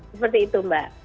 seperti itu mbak